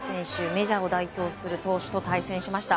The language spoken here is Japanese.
メジャーを代表する投手と対戦しました。